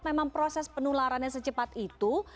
memang proses penularannya secepat itu